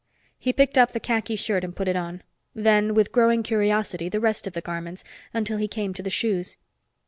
He picked up the khaki shirt and put it on; then, with growing curiosity, the rest of the garments, until he came to the shoes.